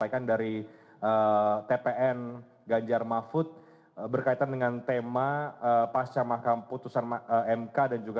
sampaikan dari tpn ganjar mahfud berkaitan dengan tema pasca mahkamah putusan mk dan juga